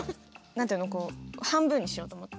何て言うの半分にしようと思って。